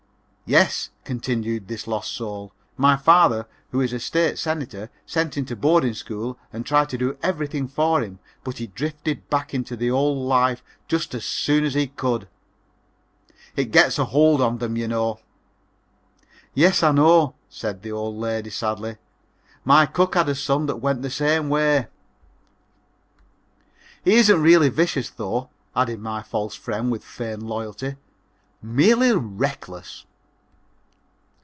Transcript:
"Yes," continued this lost soul, "my father, who is a State senator, sent him to boarding school and tried to do everything for him, but he drifted back into the old life just as soon as he could. It gets a hold on them, you know." "Yes, I know," said the old lady, sadly, "my cook had a son that went the same way." "He isn't really vicious, though," added my false friend with feigned loyalty "merely reckless."